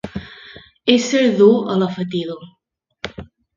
Ésser dur a la fatiga.